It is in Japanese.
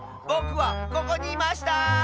ぼくはここにいました！